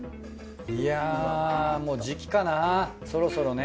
いやもう時期かなそろそろね。